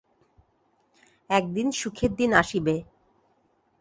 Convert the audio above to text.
এক দিন সুখের দিন আসিবে।